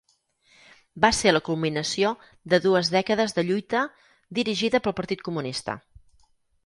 Va ser la culminació de dues dècades de lluita dirigida pel Partit Comunista.